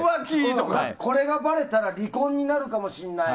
これがバレたら離婚になるかもしれない。